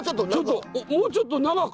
もうちょっと何か。